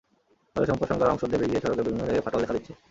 ফলে সম্প্রসারণ করা অংশ দেবে গিয়ে সড়কের বিভিন্ন জায়গায় ফাটল দেখা দিচ্ছে।